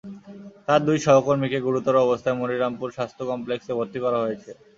তাঁর দুই সহকর্মীকে গুরুতর অবস্থায় মনিরামপুর স্বাস্থ্য কমপ্লেক্সে ভর্তি করা হয়েছে।